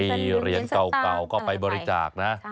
มีเหรียญเก่าก็ไปบริจาคนะ